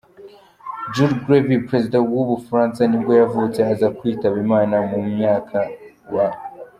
Jules Grevy, perezida wa w’ubufaransa nibwo yavutse aza kwitaba Imana mu mwaka w’.